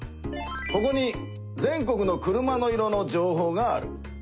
ここに全国の車の色の情報がある。